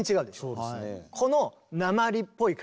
そうですね。